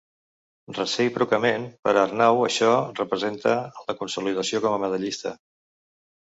Recíprocament, per a Arnau, això representa la consolidació com a medallista.